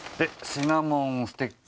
シナモンステッキ。